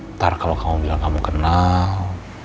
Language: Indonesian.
ntar kalau kamu bilang kamu kenal